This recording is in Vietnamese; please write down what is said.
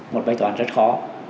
một bài toán rất khó